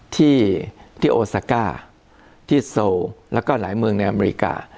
ที่โอซาก้าที่โซแล้วก็หลายเมืองในอเมริกา